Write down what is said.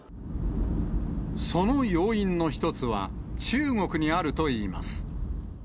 その要因の一つは、中国にあるといいます。